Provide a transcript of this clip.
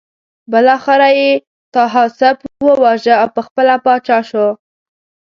بالاخره یې طاهاسپ وواژه او پخپله پاچا شو.